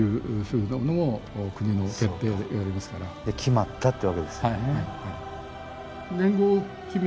決まったってわけですよね。